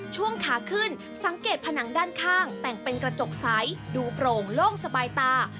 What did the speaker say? ช่วงขาขึ้นสังเกตผนังด้านข้างแต่งเป็นกระจกใสดูโปร่งโล่งสบายตา